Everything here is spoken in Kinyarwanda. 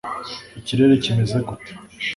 ikirere kimeze gute?